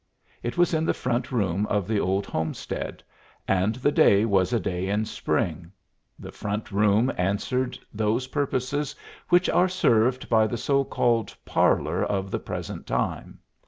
It was in the front room of the old homestead, and the day was a day in spring. The front room answered those purposes which are served by the so called parlor of the present time.